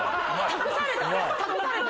託された。